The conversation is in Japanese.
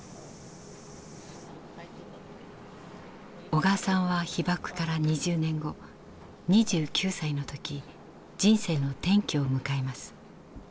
小川さんは被爆から２０年後２９歳の時人生の転機を迎えます。